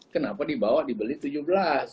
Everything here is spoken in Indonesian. kenapa dibawa dibeli rp tujuh belas